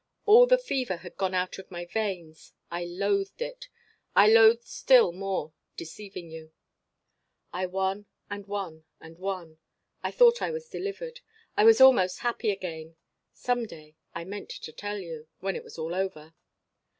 All the fever had gone out of my veins. I loathed it. I loathed still more deceiving you. "I won and won and won. I thought I was delivered. I was almost happy again. Some day I meant to tell you when it was all over.